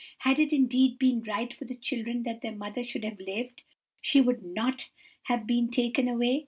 Had it indeed been right for the children that their mother should have lived, she would not have been taken away.